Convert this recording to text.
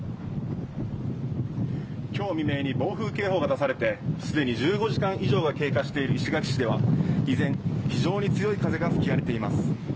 今日未明に暴風警報が出されてすでに１５時間以上が経過している石垣市では依然非常に強い風が吹き荒れています。